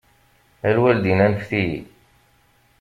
A lwaldin anfet-iyi.